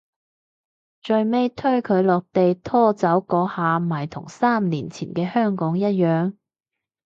最尾推佢落地拖走嗰下咪同三年前嘅香港一樣